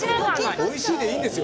「おいしい」でいいんですよ。